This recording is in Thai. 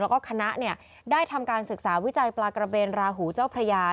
แล้วก็คณะได้ทำการศึกษาวิจัยปลากระเบนราหูเจ้าพระยา